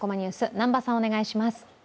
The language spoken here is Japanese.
南波さん、お願いします。